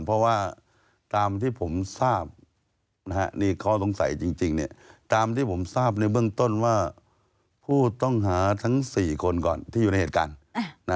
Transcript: เพราะว่าตามที่ผมทราบนี่ข้อสงสัยจริงตามที่ผมทราบในเบื้องต้นว่าผู้ต้องหาทั้ง๔คนก่อนที่อยู่ในเหตุการณ์